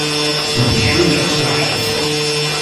Die Bremse schleift.